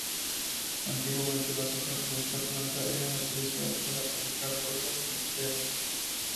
Antiguamente las hojas de esta planta eran utilizadas para fabricar bolsas y esteras.